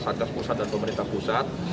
satgas pusat dan pemerintah pusat